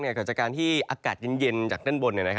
เกิดจากการที่อากาศเย็นจากด้านบน